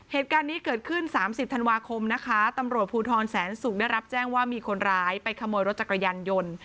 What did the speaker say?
เหตุการณ์นี้เกิดขึ้น๓๐ธันวาคมนะคะตำรวจภูทรแสนศุกร์ได้รับแจ้งว่ามีคนร้ายไปขโมยรถจักรยานยนต์